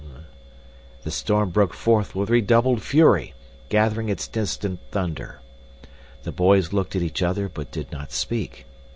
The storm broke forth with redoubled fury, gathering its distant thunder. The boys looked at each other but did not speak.